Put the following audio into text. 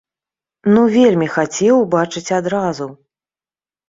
Ну вельмі хацеў убачыць адразу!